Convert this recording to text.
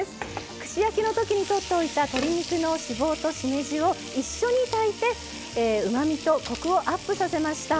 串焼きの時に取っておいた鶏肉の脂肪としめじを一緒に炊いてうまみとコクをアップさせました。